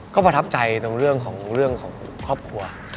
ก็ประทับใจในเรื่องของเรื่องของครอบครัว